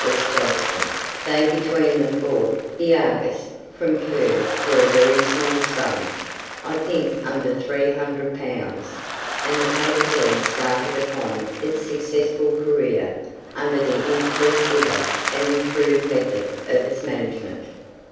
S. Johnston, they between them bought "The Argus" from Kerr for a very small sum I think under 300 pounds and the paper then started upon its successful career under the increased vigour and improved method of its management.